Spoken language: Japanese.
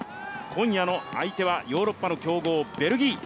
今夜の相手はヨーロッパの強豪、ベルギー。